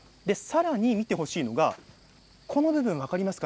さらに見てほしいのがこちらの部分、分かりますか。